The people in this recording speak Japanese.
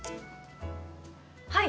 はい。